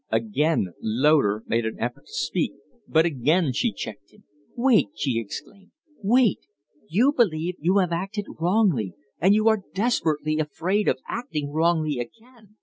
Again Loder made an effort to speak, but again she checked him. "Wait!" she exclaimed. "Wait! You believe you have acted wrongly, and you are desperately afraid of acting wrongly again.